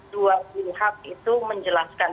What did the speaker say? dua pihak itu menjelaskan